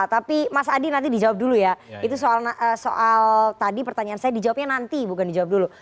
tapi mas adi nanti dijawab dulu ya itu soal tadi pertanyaan saya dijawabnya nanti bukan dijawab dulu